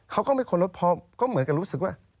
เขาก็ไม่ค้นรถเพราะก็เหมือนกันรู้สึกว่า